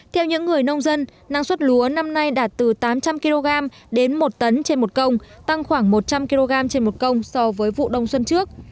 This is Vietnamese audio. theo những người nông dân năng suất lúa năm nay đạt từ tám trăm linh kg đến một tấn trên một công tăng khoảng một trăm linh kg trên một công so với vụ đông xuân trước